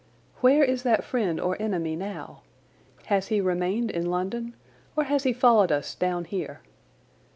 Where is that friend or enemy now? Has he remained in London, or has he followed us down here?